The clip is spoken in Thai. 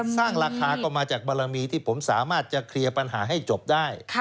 สร้างราคาก็มาจากบารมีที่ผมสามารถจะเคลียร์ปัญหาให้จบได้